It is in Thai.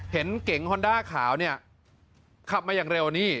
เก๋งฮอนด้าขาวเนี่ยขับมาอย่างเร็วนี่